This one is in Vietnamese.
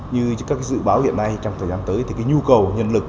như các dự báo hiện nay trong thời gian tới thì cái nhu cầu nhân lực